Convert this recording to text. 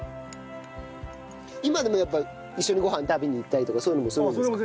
今でもやっぱ一緒にご飯食べに行ったりとかそういうのもするんですか？